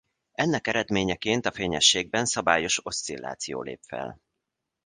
Ennek eredményeként a fényességben szabályos oszcilláció lép fel.